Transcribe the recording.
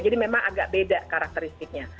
jadi memang agak beda karakteristiknya